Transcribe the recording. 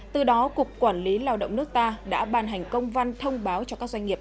từ đó cục quản lý lao động nước ta đã ban hành công văn thông báo cho các doanh nghiệp